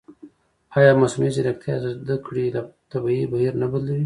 ایا مصنوعي ځیرکتیا د زده کړې طبیعي بهیر نه بدلوي؟